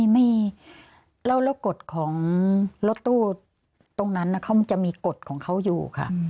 ไม่แล้วรถกดของรถตู้ตรงนั้นจะมีกดของเขาอยู่ค่ะ